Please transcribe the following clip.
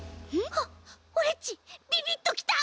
あっオレっちビビッときた！